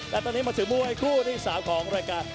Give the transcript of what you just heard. และตอนนี้มาถึงมวยคู่ที่๓ของรายการ